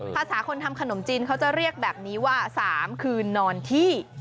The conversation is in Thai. ภาษาคนทำขนมจีนเขาจะเรียกแบบนี้ว่า๓คืนนอนที่